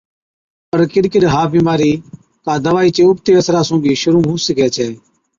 پَر ڪِڏ ڪِڏ ها بِيمارِي ڪا دَوائِي چي اُبتي اثرا سُون بِي شرُوع هُو سِگھَي ڇَي۔